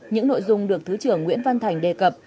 những nội dung được thứ trưởng nguyễn văn thành đề cập